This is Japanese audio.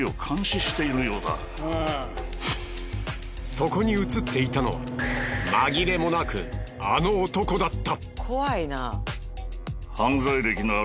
そこに映っていたのはまぎれもなくあの男だった。